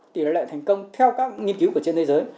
tỷ lệ thành công theo các nghiên cứu trên thế giới